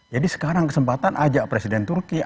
jadi sekarang kesempatan ajak presiden turki